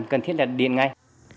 cần thiết là điện ngay